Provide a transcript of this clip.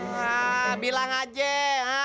nah bilang aja